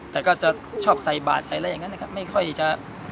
แต่ก็จะชอบใส่บาทใส่อะไรอย่างนั้นนะครับไม่ค่อยจะ